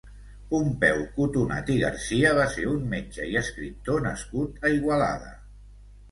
Pompeu Cotonat i Garcia va ser un metge i escriptor nascut a Igualada.